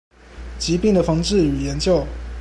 疾病的防治與研究